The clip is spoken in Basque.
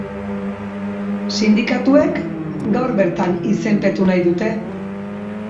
Sindikatuek gaur bertan izenpetu nahi dute.